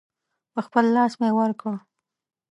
په خپل لاس مې ورکړ.